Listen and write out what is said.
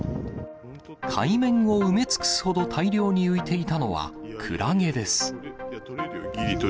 海面を埋め尽くすほど大量に浮いていたのは、クラゲです。